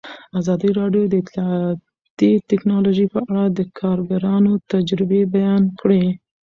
ازادي راډیو د اطلاعاتی تکنالوژي په اړه د کارګرانو تجربې بیان کړي.